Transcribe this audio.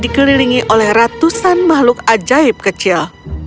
dikelilingi oleh ratusan makhluk ajaib kecil